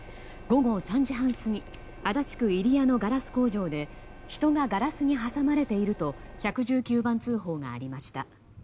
午後３時半過ぎ足立区入谷のガラス工場で人がガラスに挟まれていると１１９番通報がありました。